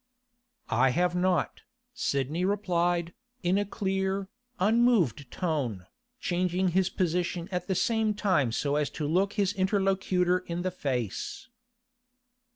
'I have not,' Sidney replied, in a clear, unmoved tone, changing his position at the same time so as to look his interlocutor in the face.